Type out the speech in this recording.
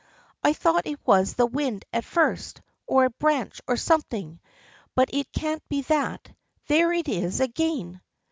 I thought it was the wind at first, or a branch or something, but it can't be that. There it is again